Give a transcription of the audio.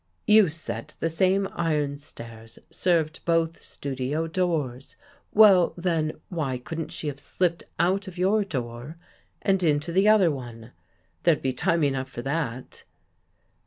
"" You said the same Iron stairs served both studio doors. Well then, why couldn't she have slipped out of your door and Into the other one? There'd be time enough for that."